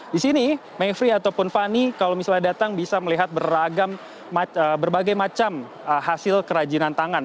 di sini mayfrey ataupun fani kalau misalnya datang bisa melihat berbagai macam hasil kerajinan tangan